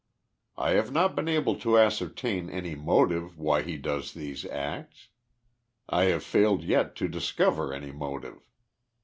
I have not been able to ascertain any motive why he does these acts. I have failed yet to discover any motive.